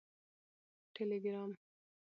ټیلیګرام